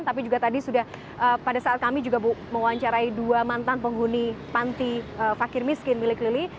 tapi juga tadi sudah pada saat kami juga mewawancarai dua mantan penghuni panti fakir miskin milik lili